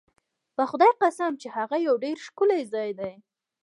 په خدای قسم چې هغه یو ډېر ښکلی ځای دی.